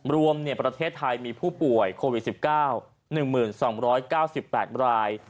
รวมประเทศไทยมีผู้ป่วยโควิด๑๙๑๒๙๘ราย